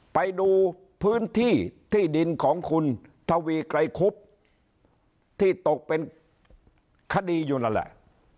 ไปดูพื้นที่ที่ดินของคุณทวีไกรคุบที่ตกเป็นคดีอยู่นั่นแหละ